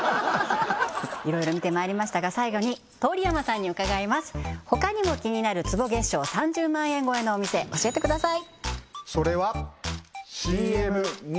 色々見てまいりましたが最後に通山さんに伺います他にも気になる坪月商３０万円超えのお店教えてください